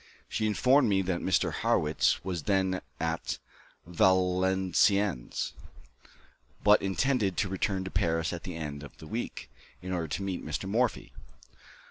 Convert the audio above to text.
She informed me that Mr. Harrwitz was then at Valenciennes, but intended to return to Paris at the end of the week, in order to meet Mr. Morphy.